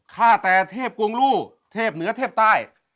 ฆ่าแต่เทพกวงลู่เทพเหนือเทพใต้